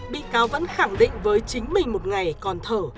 bị cáo vẫn khẳng định với chính mình một ngày còn thở